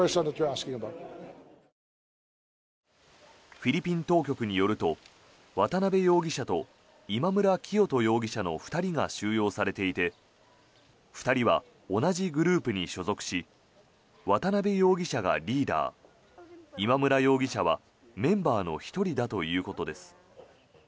フィリピン当局によると渡邉容疑者と今村磨人容疑者の２人が収容されていて２人は同じグループに所属し渡邉容疑者がリーダー今村容疑者はメンバーの１人だということです。